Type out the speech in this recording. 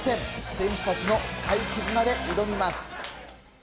選手たちの深い絆で挑みます。